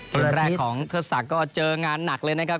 เกมแรกของเทิดศักดิ์ก็เจองานหนักเลยนะครับ